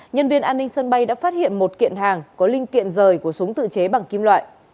nhân viên an ninh sân bay đã phát hiện một kiện hàng có linh kiện rời của súng tự chế bằng kim loại